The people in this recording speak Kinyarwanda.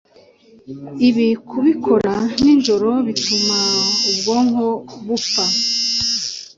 Ibi kubikora nijoro bituma ubwonko bupfa